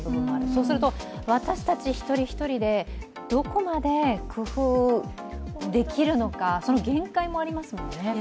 そうすると、私たち一人一人でどこまで工夫できるのか、その限界もありますもんね。